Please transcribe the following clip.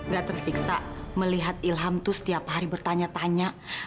gak tersiksa melihat ilham itu setiap hari bertanya tanya